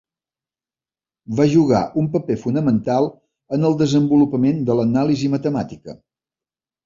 Va jugar un paper fonamental en el desenvolupament de l'anàlisi matemàtica.